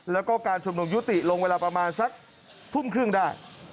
แล้วก็การชุมนุมยุติลงเวลาประมาณสักทุ่มครึ่งได้